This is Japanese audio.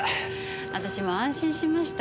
私も安心しました。